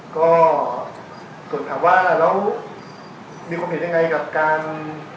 ก็คือคำว่าเรามีความเห็นยังไงกับการ